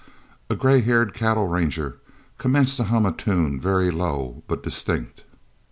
A grey haired cattle ranger commenced to hum a tune, very low, but distinct.